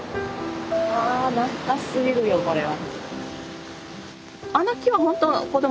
あ懐かしすぎるよこれは。